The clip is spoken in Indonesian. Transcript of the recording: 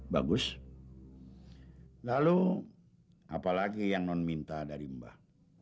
bagus lalu apa lagi yang non minta dari mbah